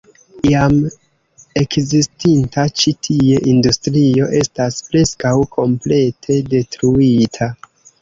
Iam ekzistinta ĉi tie industrio estas preskaŭ komplete detruita.